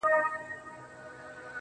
هغه به دروند ساتي چي څوک یې په عزت کوي.